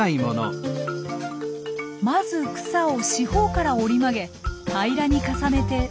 まず草を四方から折り曲げ平らに重ねて土台を作ります。